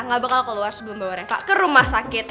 nggak bakal keluar sebelum bawa reva ke rumah sakit